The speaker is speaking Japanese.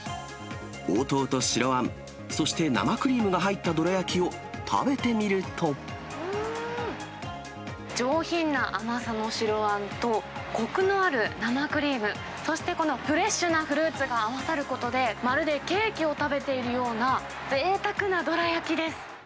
黄桃と白あん、そして、生クリームが入ったどら焼きを食べてみるうーん、上品な甘さの白あんと、こくのある生クリーム、そしてこのフレッシュなフルーツが合わさることで、まるでケーキを食べているようなぜいたくなどら焼きです。